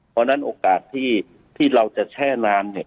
เพราะฉะนั้นโอกาสที่เราจะแช่น้ำเนี่ย